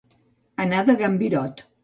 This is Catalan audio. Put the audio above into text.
Anar de gambirot.